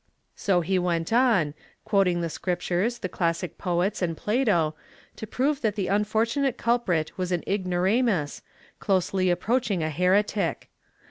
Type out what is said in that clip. So he went on, quoting the Scriptures, the classic poets and Plato, to prove that the unfortu nate culprit was an ignoramus, closely approaching a heretic.